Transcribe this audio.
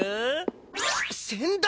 先代！